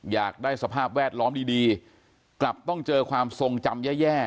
อยากได้สภาพแวดล้อมดีกลับต้องเจอความทรงจำแย่